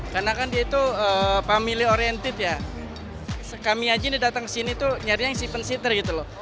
karena kan dia itu family oriented ya kami aja yang datang kesini tuh nyari yang tujuh seater gitu loh